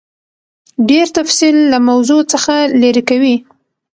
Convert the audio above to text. ډېر تفصیل له موضوع څخه لیرې کوي.